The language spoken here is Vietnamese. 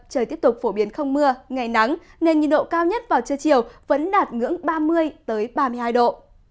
trời tiếp tục phổ biến không mưa ngày nắng nên nhiệt độ cao nhất vào trưa chiều vẫn đạt ngưỡng ba mươi ba mươi hai độ